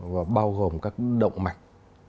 và bao gồm các động mạch